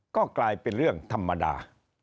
ก็กลายเป็นเรื่องธรรมดา